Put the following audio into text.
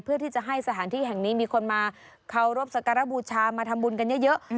เพื่อที่จะให้สถานที่แห่งนี้มีคนมาเคารพสการบูชามาทำบุญกันเยอะ